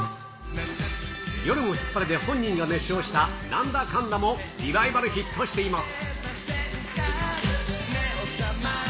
夜もヒッパレで本人が熱唱したナンダカンダもリバイバルヒットしています。